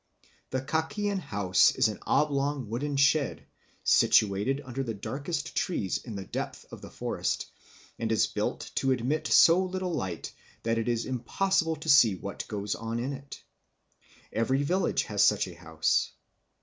The Kakian house is an oblong wooden shed, situated under the darkest trees in the depth of the forest, and is built to admit so little light that it is impossible to see what goes on in it. Every village has such a house.